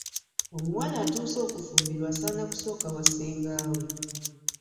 Omuwala atuuse okufumbirwa asaana kusooka wa ssengaawe.